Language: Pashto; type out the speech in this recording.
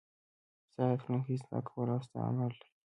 ستا راتلونکی ستا اقوال او ستا اعمال ټاکي.